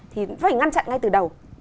thì phải ngăn chặn ngay từ đầu